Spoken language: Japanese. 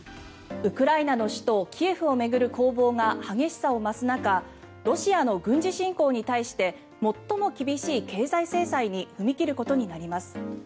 ウクライナの首都キエフを巡る攻防が激しさを増す中ロシアの軍事侵攻に対して最も厳しい経済制裁に踏み切ることになります。